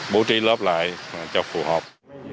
bố trí lớp lại cho phù hợp